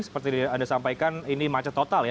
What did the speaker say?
seperti anda sampaikan ini macet total ya